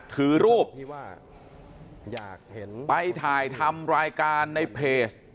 ถือรูปไปถ่ายทำรายการในเพจ